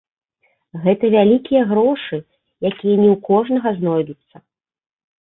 Гэта вялікія грошы, якія не ў кожнага знойдуцца.